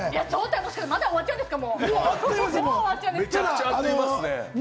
もう終わっちゃうんですか？